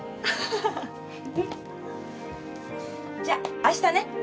じゃああしたね。